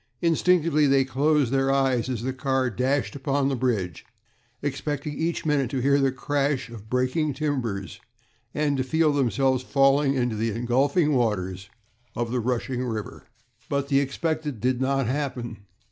Instinctively they closed their eyes, as the car dashed upon the bridge, expecting each minute to hear the crash of breaking timbers, and to feel themselves falling into the engulfing waters of the rushing river. But the expected did not happen.